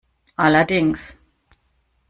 Allerdings.